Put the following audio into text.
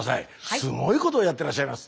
すごいことをやってらっしゃいます。